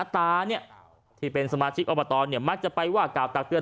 ตาเนี่ยที่เป็นสมาชิกอบตมักจะไปว่ากล่าวตักเตือ